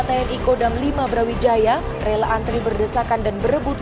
tni kodam lima brawijaya rela antri berdesakan dan berebut